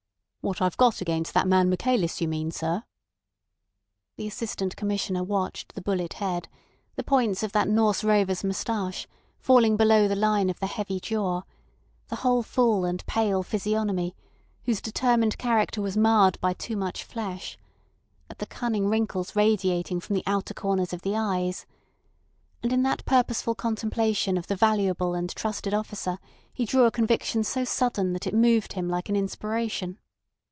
"What I've got against that man Michaelis you mean, sir?" The Assistant Commissioner watched the bullet head; the points of that Norse rover's moustache, falling below the line of the heavy jaw; the whole full and pale physiognomy, whose determined character was marred by too much flesh; at the cunning wrinkles radiating from the outer corners of the eyes—and in that purposeful contemplation of the valuable and trusted officer he drew a conviction so sudden that it moved him like an inspiration.